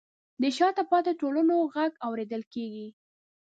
د شاته پاتې ټولنو غږ اورېدل کیږي.